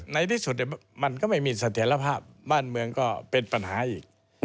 ในที่สุดมันก็ไม่มีเสถียรภาพบ้านเมืองก็เป็นปัญหาอีก